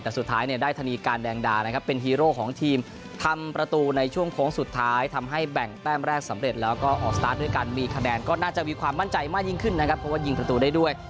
แต่สุดท้ายเนี่ยได้ธนีการแดงดานะครับเป็นฮีโร่ของทีมทำประตูในช่วงโค้งสุดท้ายทำให้แบ่งแต้มแรกสำเร็จแล้วก็ออกสตาร์ทด้วยการมีคะแนนก็น่าจะมีความมั่นใจมากยิ่งขึ้นนะครับเพราะว่ายิงประตูได้ด้วย